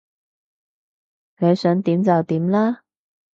你想點就點啦